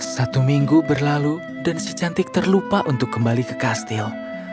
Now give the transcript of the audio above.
satu minggu berlalu dan si cantik terlupa untuk kembali ke kastil